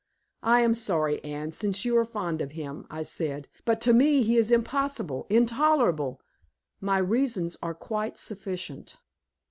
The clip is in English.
"I am sorry, Anne, since you are fond of him," I said. "But to me he is impossible intolerable. My reasons are quite sufficient."